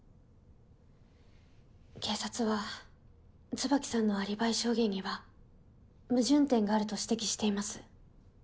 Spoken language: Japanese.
警察は椿さんのアリバイ証言には矛盾点があると指摘しています。